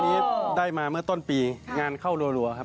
นี้ได้มาเมื่อต้นปีงานเข้ารัวครับ